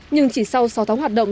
nhưng chỉ sau sáu tháng hoạt động